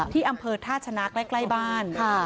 ที่อำเภอท่าชนะใกล้บ้าน